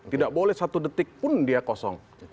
tidak boleh satu detik pun dia kosong